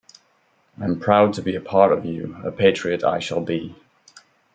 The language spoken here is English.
I'm proud to be a part of you, a patriot I shall be.